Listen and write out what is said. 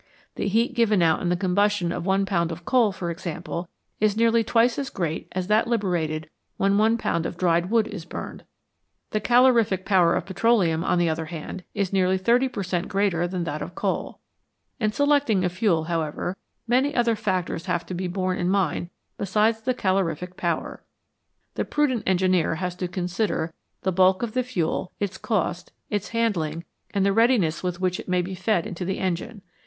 The heat given out in the combustion of one pound of coal, for example, is nearly twice as great as that liberated when one pound of dried wood is burned. The calorific power of petroleum, on the other hand, is nearly 30 per cent, greater than that of coal. In selecting a fuel, however, many other factors have to be borne in mind besides the calorific power ; the prudent engineer has to consider the bulk of the fuel, its cost, its handling, and the readiness with which it may be fed into the engine.